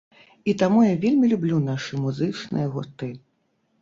І таму я вельмі люблю нашы музычныя гурты.